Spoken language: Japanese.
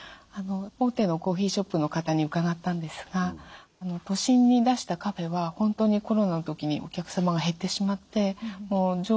大手のコーヒーショップの方に伺ったんですが都心に出したカフェは本当にコロナの時にお客様が減ってしまって常時の半分以下であると。